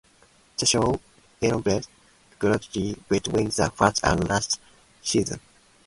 The show evolved greatly between the first and last season.